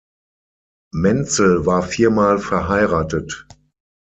Mentzel war viermal verheiratet.